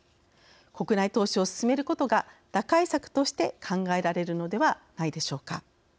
国内投資を進めることが打開策として考えられるのではないでしょうか。